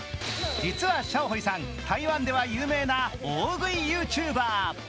実はシャオホイさん、台湾では有名な大食いＹｏｕＴｕｂｅｒ。